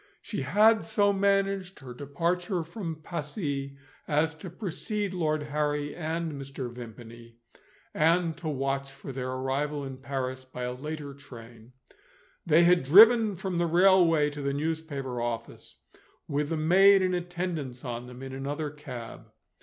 She had so managed her departure from Passy as to precede Lord Harry and Mr. Vimpany, and to watch for their arrival in Paris by a later train. They had driven from the railway to the newspaper office with the maid in attendance on them in another cab.